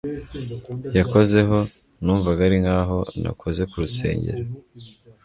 Yakozeho Numvaga ari nkaho nakoze ku rusengero